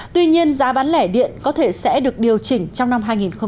tuy nhiên giá bán lẻ điện có thể sẽ được điều chỉnh trong năm hai nghìn một mươi chín